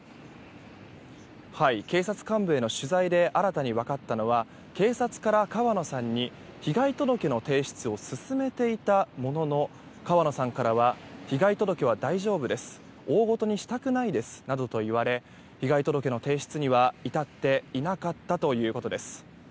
警察幹部への取材で新たに分かったのは警察から川野さんに被害届の提出を勧めていたものの川野さんからは被害届は大丈夫です大ごとにしたくないですなどと言われ被害届の提出には至っていなかったということです。